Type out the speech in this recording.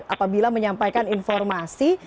apabila menyampaikan informasi